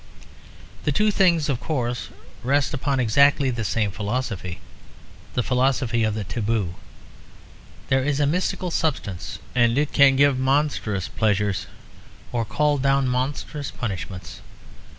The two things of course rest upon exactly the same philosophy; the philosophy of the taboo. There is a mystical substance, and it can give monstrous pleasures or call down monstrous punishments.